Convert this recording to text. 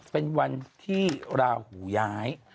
เป็นวันที่ราหูย้าย